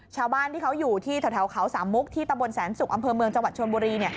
ชาวบ้านที่เขาอยู่ที่แถวเขาสามมุกที่ตะบนแสนศุกร์อำเภอเมืองจังหวัดชนบุรี